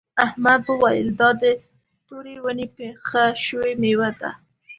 احمد وویل دا د تورې ونې پخه شوې میوه ده.